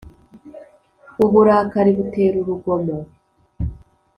uburakari butera urugomo,